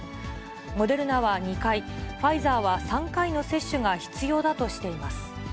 モデルナは２回、ファイザーは３回の接種が必要だとしています。